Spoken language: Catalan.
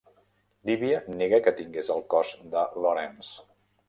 Líbia nega que tingués el cos de Lorence.